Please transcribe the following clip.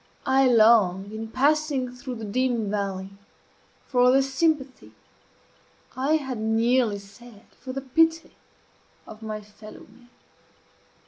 I long, in passing through the dim valley, for the sympathy I had nearly said for the pity of my fellow men.